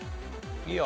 いいよ。